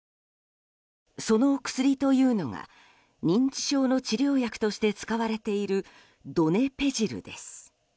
その薬というのが認知症の治療薬として使われているドネペジルです。